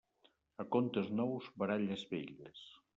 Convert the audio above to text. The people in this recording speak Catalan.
A contes nous, baralles velles.